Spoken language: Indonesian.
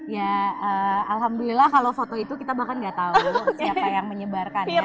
ya alhamdulillah kalau foto itu kita bahkan gak tahu siapa yang menyebarkan ya